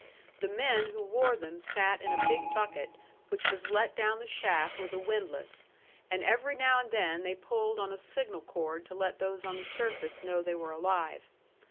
The men who wore them sat in a big bucket which was let down the shaft with a windlass, and every now and then they pulled on a signal cord to let those on the surface know they were alive.